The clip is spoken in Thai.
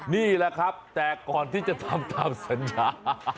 นี่แหละครับแต่ก่อนที่จะทำตามสัญญา